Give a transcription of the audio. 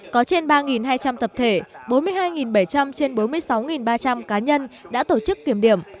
có trên ba hai trăm linh tập thể bốn mươi hai bảy trăm linh trên bốn mươi sáu ba trăm linh cá nhân đã tổ chức kiểm điểm